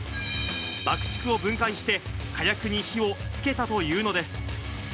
爆竹を分解して、火薬に火をつけたというのです。